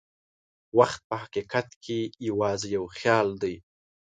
وخت په حقیقت کې یوازې یو خیال دی.